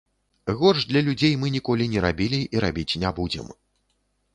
Горш для людзей мы ніколі не рабілі і рабіць не будзем.